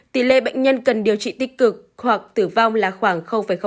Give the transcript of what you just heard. tỷ lệ bệnh nhân cần điều trị tích cực hoặc tử vong là khoảng